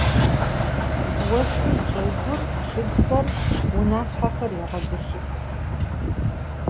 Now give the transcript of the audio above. Vosım çç'ıgur, ççıgxer, vunaşshexer yêğebılhıx.